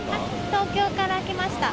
東京から来ました。